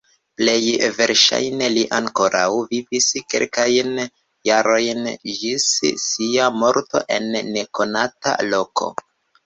Plej verŝajne li ankoraŭ vivis kelkajn jarojn ĝis sia morto en nekonata loko.